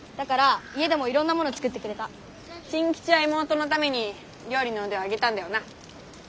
真吉は妹のために料理の腕を上げたんだよな。